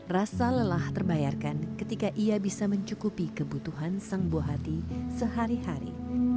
rasa lelah terbayarkan ketika ia bisa mencukupi kebutuhan sang buah hati sehari hari